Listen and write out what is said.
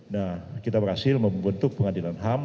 nah kita berhasil membentuk pengadilan ham